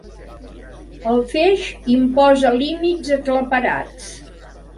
El feix imposa límits aclaparats.